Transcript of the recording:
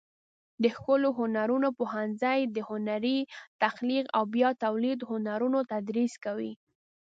د ښکلو هنرونو پوهنځی د هنري تخلیق او بیا تولید هنرونه تدریس کوي.